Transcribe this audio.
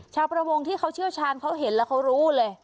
ชาวประมงที่เขาเชี่ยวชาญเขาเห็นแล้วเขารู้เลย